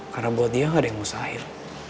karena buat dia gak ada yang mau sahir